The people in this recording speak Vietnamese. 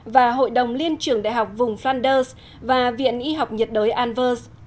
và hội đồng liên trưởng đại học vùng fanders và viện y học nhiệt đới anvers